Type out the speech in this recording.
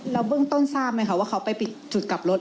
แล้วเบื้องต้นทราบไหมคะว่าเขาไปปิดจุดกลับรถ